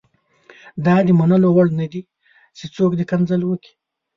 دا د منلو وړ نه دي چې څوک دې کنځل وکړي.